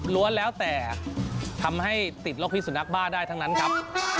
แล้วแต่ทำให้ติดโรคพิสุนักบ้าได้ทั้งนั้นครับ